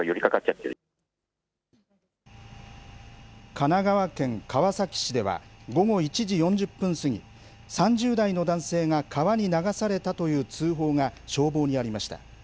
神奈川県川崎市では、午後１時４０分過ぎ、３０代の男性が川に流されたという通報が消防にありました。